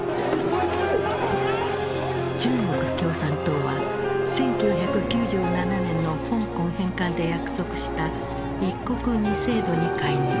中国共産党は１９９７年の香港返還で約束した「一国二制度」に介入